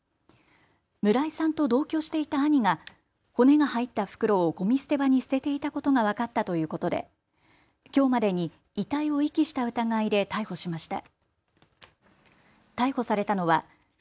村井さんと同居していた兄が骨が入った袋をごみ捨て場に捨てていたことが分かったということできょうまでに遺体を遺棄した疑いで逮捕しました。